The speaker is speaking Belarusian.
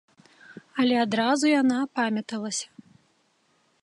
Але адразу яна апамяталася.